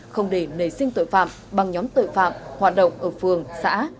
không để nề sinh tội phạm bằng nhóm tội phạm hoạt động ở phường xã